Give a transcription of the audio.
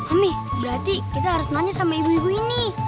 amih berarti kita harus nanya sama ibu ibu ini